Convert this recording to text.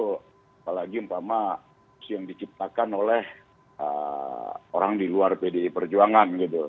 apalagi yang diciptakan oleh orang di luar pdi perjuangan